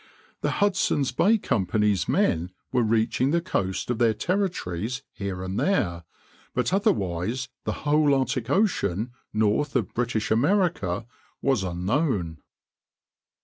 The Hudson's Bay Company's men were reaching the coast of their Territories here and there; but otherwise the whole Arctic Ocean north of British America was unknown.